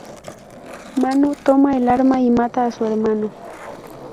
Manu toma el arma y mata a su hermano.